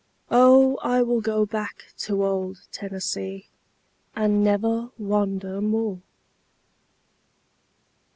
O I will go back to old Tennessee, and never wander more!